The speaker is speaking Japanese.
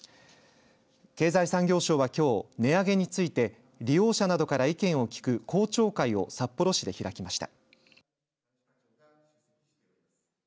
経済産業省はきょう値上げについて利用者などから意見を聞く公聴会を札幌市で開きました。